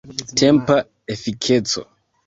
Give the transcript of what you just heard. Tempa efikeco.